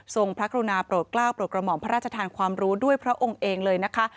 พระกรุณาโปรดกล้าวโปรดกระห่อมพระราชทานความรู้ด้วยพระองค์เองเลยนะคะ